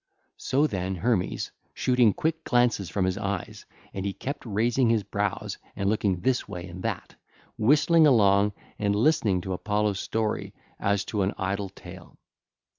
(ll. 278 280) So, then, said Hermes, shooting quick glances from his eyes: and he kept raising his brows and looking this way and that, whistling long and listening to Apollo's story as to an idle tale.